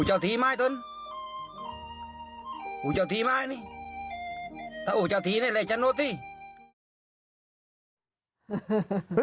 เฮ้ยมันผูกก่อตายเหรอปุ๊ย